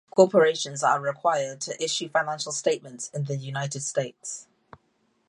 Corporations are required to issue financial statements in the United States.